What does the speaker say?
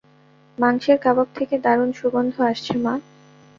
মাংসের কাবাব থেকে দারুন সুগন্ধ আসছে, মা।